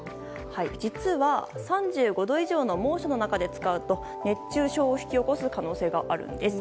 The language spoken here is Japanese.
実は３５度以上の猛暑の中で使うと熱中症を引き起こす可能性があるんです。